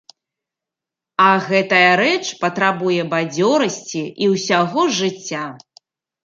А гэтая рэч патрабуе бадзёрасці і ўсяго жыцця.